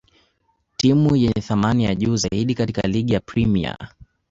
timu yenye thamni ya juu zaidi katika ligi ya Premia